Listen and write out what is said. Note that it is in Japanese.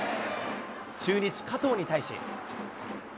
中日、加藤に対し。